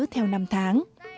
theo năm tháng